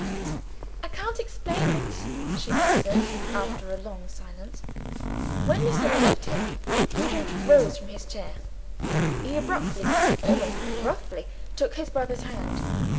"I can't explain it," she answered after a long silence. When Lucilla left him, Nugent rose from his chair. He abruptly almost roughly took his brother's hand.